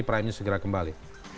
prime news segera kembali